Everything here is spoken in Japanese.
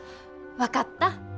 分かった。